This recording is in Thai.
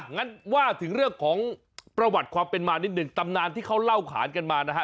งั้นว่าถึงเรื่องของประวัติความเป็นมานิดหนึ่งตำนานที่เขาเล่าขานกันมานะฮะ